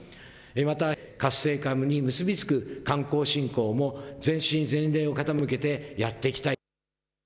また活性化に結び付く観光振興も全身全霊を傾けてやっていきたい。